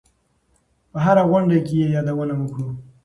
په هره غونډه کې یې یادونه وکړو.